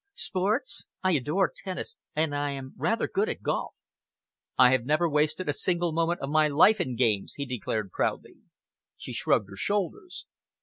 Sports? I adore tennis and I am rather good at golf." "I have never wasted a single moment of my life in games," he declared proudly. She shrugged her shoulders.